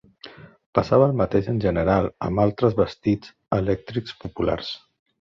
Passava el mateix en general amb altres vestits elèctrics populars.